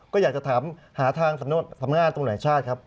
ก็อยากจะถามหาทางสำนวนสำนักงานตรงไหนชาติครับ